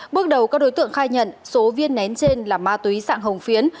bước đầu các đối tượng khai nhận số viên nén trên là ma túy sạng hồng phiến